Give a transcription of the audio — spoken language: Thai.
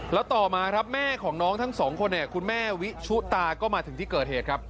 แล้วต่อมาครับแม่ของน้องทั้งสองคนเนี่ยคุณแม่วิชุตาก็มาถึงที่เกิดเหตุครับ